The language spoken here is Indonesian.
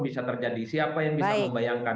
bisa terjadi siapa yang bisa membayangkan